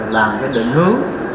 làm định hướng